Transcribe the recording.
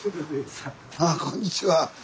あこんにちは。